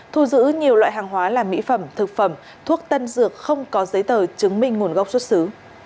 thu giữ nhiều loại hàng hóa là mỹ phẩm thực phẩm thuốc tân dược không có giấy tờ chứng minh nguồn gốc xuất xứ